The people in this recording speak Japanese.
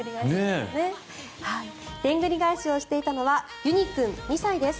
でんぐり返しをしていたのはゆに君、２歳です。